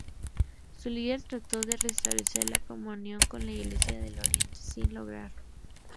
Su líder trató de restablecer la comunión con la Iglesia del Oriente, sin lograrlo.